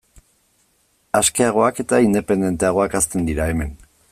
Askeagoak eta independenteagoak hazten dira hemen.